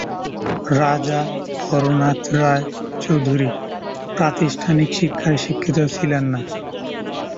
রাজা হরনাথ রায় চৌধুরী প্রাতিষ্ঠানিক শিক্ষায় শিক্ষিত ছিলেন না।